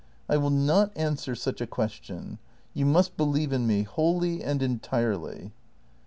] I will not answer such a question. You must believe in me, wholly and entirely!